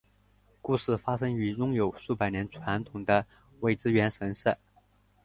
故事发生于拥有数百年传统的苇之原神社。